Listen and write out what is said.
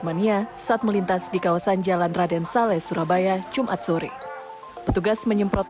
mania saat melintas di kawasan jalan raden saleh surabaya jumat sore petugas menyemprot